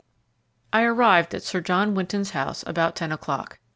I arrived at Sir John Winton's house about ten o'clock.